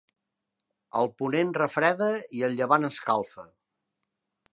El ponent refreda i el llevant escalfa.